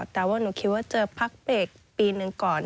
แต่ว่าหนูคิดว่าเจอพักเบรกปีหนึ่งก่อน